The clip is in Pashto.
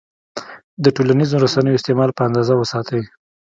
د ټولنیزو رسنیو استعمال په اندازه وساتئ.